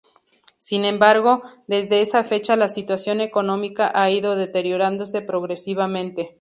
Sin embargo, desde esa fecha la situación económica ha ido deteriorándose progresivamente.